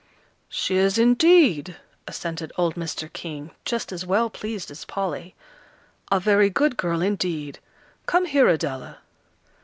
"She is, indeed," assented old Mr. King, just as well pleased as Polly. "A very good girl, indeed. Come here, Adela."